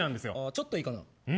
ちょっといいかな